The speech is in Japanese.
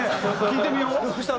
聞いてみよう。